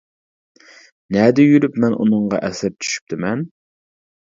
نەدە يۈرۈپ مەن ئۇنىڭغا ئەسىر چۈشۈپتىمەن!